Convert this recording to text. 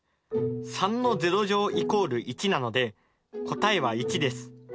３＝１なので答えは１です。